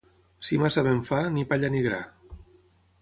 Si massa vent fa, ni palla ni gra.